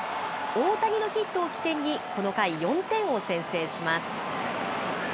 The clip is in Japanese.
大谷のヒットを起点に、この回、４点を先制します。